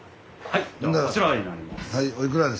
はい。